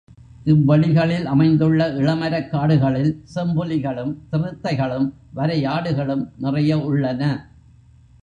இவ்வெளிகளில் அமைந்துள்ள இளமரக்காடுகளில் செம்புலி களும், சிறுத்தை களும், வரையாடுகளும் நிறைய உள்ளன.